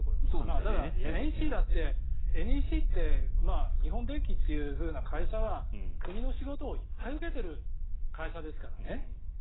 ただ、ＮＥＣだってＮＥＣ、日本電気っていう会社は国の仕事をいっぱい受けている会社ですからね。